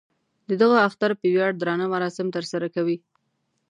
د دغه اختر په ویاړ درانه مراسم تر سره کوي.